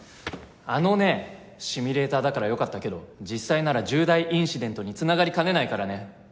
あのねシミュレーターだからよかったけど実際なら重大インシデントに繋がりかねないからね。